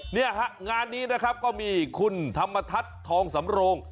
เนี่ยฮะงานนี้นะครับก็มีคุณธรรมทัศน์ทองสำโรง